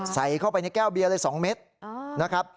ใส่เข้าไปในแก้วเบียร์เลย๒เม็ดนะครับ